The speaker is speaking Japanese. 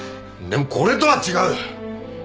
でもこれとは違う！